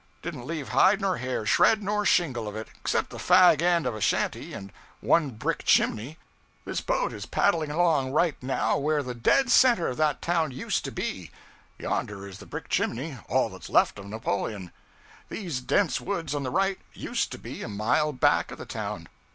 Didn't leave hide nor hair, shred nor shingle of it, except the fag end of a shanty and one brick chimney. This boat is paddling along right now, where the dead center of that town used to be; yonder is the brick chimney all that's left of Napoleon. These dense woods on the right used to be a mile back of the town.